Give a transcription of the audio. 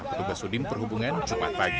petugas udin perhubungan jumat pagi